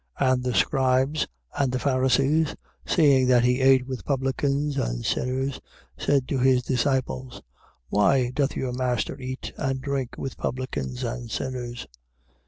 2:16. And the scribes and the Pharisees, seeing that he ate with publicans and sinners, said to his disciples: Why doth your master eat and drink with publicans and sinners?